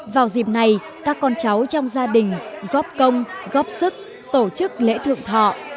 vào dịp này các con cháu trong gia đình góp công góp sức tổ chức lễ thượng thọ